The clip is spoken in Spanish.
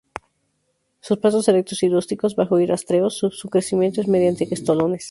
Son pastos erectos y rústicos, bajos y rastreros, su crecimiento es mediante estolones.